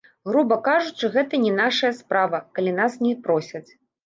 Груба кажучы, гэта не нашая справа, калі нас не просяць.